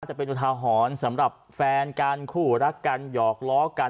จะเป็นอุทาหรณ์สำหรับแฟนกันคู่รักกันหยอกล้อกัน